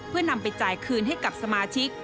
เพื่อนำไปจ่ายคืนให้กับสมาชิก